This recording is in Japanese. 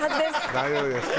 大丈夫ですか？